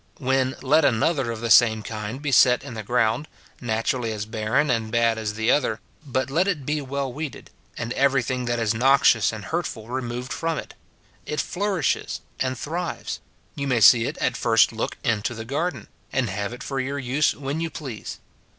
When, let another of the same kind be set in the ground, naturally as barren and bad as the other, but let it be well weeded, and everything that is SIN IN BELIEVERS. 181 noxious and hurtful removed from it, — it flourishes and thrives ; you may see it at first look into the garden, and have it for your use when you please.